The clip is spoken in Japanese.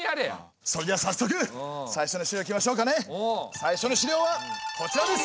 最初の資料はこちらです。